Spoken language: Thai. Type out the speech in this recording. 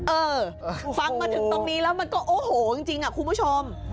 เออฟังมาถึงตรงนี้แล้วมันก็โอ้โหจริงคุณผู้ชม